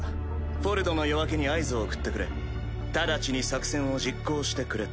「フォルドの夜明け」に合図を送ってくれ直ちに作戦を実行してくれと。